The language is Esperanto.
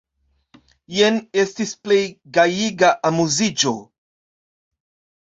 Jen estis plej gajiga amuziĝo!